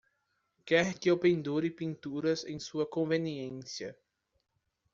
Quer que eu pendure pinturas em sua conveniência.